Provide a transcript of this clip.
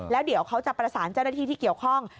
แล้วเดี๋ยวเขาจะประสานเจ้าหน้าที่ที่เกี่ยวข้อง